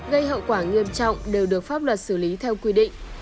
gây hậu quả nghiêm trọng đều được pháp luật xử lý theo quy định